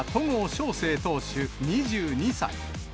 翔征投手２２歳。